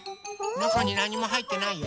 なかになにもはいってないよ。